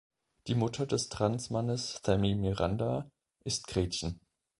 Die Mutter des Transmannes Thammy Miranda ist Gretchen.